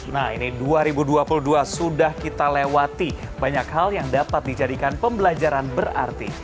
nah ini dua ribu dua puluh dua sudah kita lewati banyak hal yang dapat dijadikan pembelajaran berarti